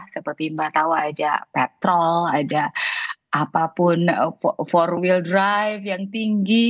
seperti mbak tahu ada petrol ada apapun forwill drive yang tinggi